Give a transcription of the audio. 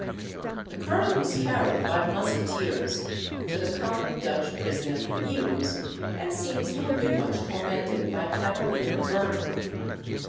The colonel was carried by musqueteers to the common Dutch prison at the Mews, and seems to have been much tormented by Cavalier vermin.